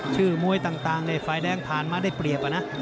ชื่อม้วยต่างในไฟแดงผ่านมาได้เปรียบ